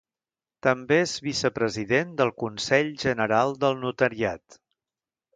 També és vicepresident del Consell General del Notariat.